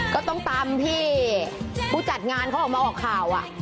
ก็ต้องตามที่ผู้จัดงานเขาออกมาออกข่าว